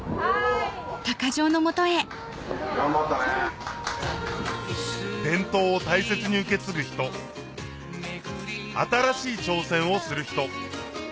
・伝統を大切に受け継ぐ人新しい挑戦をする人